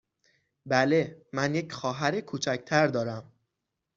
بله، من یک خواهر کوچک تر دارم.